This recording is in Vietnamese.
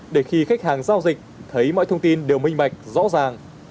để khi khách hàng giao dịch thấy mọi thông tin đều minh bạch rõ ràng